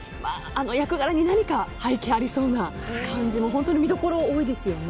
あの役柄に何か背景がありそうな感じも本当に見どころ多いですよね。